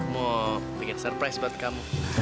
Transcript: mau bikin surprise buat kamu